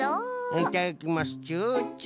いただきますチュチュ。